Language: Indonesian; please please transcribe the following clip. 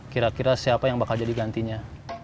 kira kira siapa yang bakal jadi gantinya